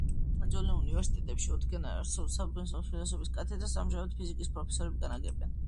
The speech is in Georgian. ძველ უნივერსიტეტებში ოდითგანვე არსებულ საბუნებისმეტყველო ფილოსოფიის კათედრას ამჟამად ფიზიკის პროფესორები განაგებენ.